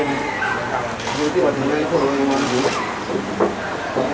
งี่ที่วาถือเมย์เผลอไว้มันดี